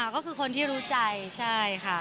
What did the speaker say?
ก็คือคนที่รู้ใจใช่ค่ะ